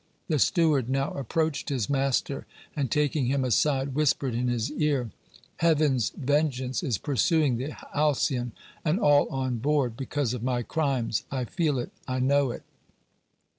The steward now approached his master, and, taking him aside, whispered in his ear: "Heaven's vengeance is pursuing the Alcyon and all on board because of my crimes! I feel it I know it!"